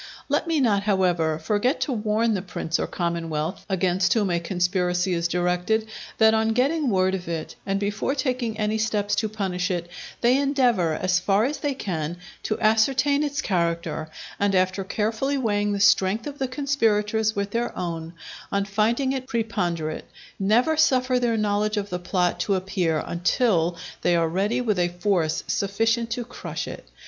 Let me not, however, forget to warn the prince or commonwealth against whom a conspiracy is directed, that on getting word of it, and before taking any steps to punish it, they endeavour, as far as they can, to ascertain its character, and after carefully weighing the strength of the conspirators with their own, on finding it preponderate, never suffer their knowledge of the plot to appear until they are ready with a force sufficient to crush it.